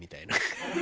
ハハハハ！